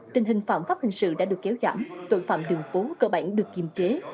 tình hình phạm pháp hình sự đã được kéo giảm tội phạm đường phố cơ bản được kiềm chế